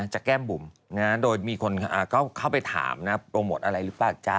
แก้มบุ๋มโดยมีคนเข้าไปถามนะโปรโมทอะไรหรือเปล่าจ๊ะ